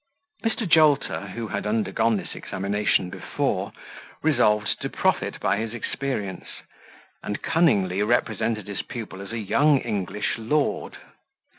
Mr. Jolter, who had undergone this examination before, resolved to profit by his experience, and cunningly represented his pupil as a young English lord.